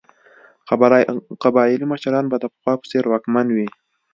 قبایلي مشران به د پخوا په څېر واکمن وي.